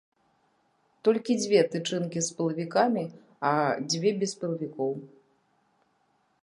Толькі дзве тычынкі з пылавікамі, а дзве без пылавікоў.